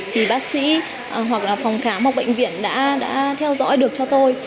thì bác sĩ hoặc là phòng khám hoặc bệnh viện đã theo dõi được cho tôi